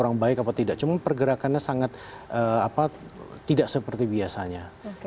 orang baik apa tidak cuma pergerakannya sangat tidak seperti biasanya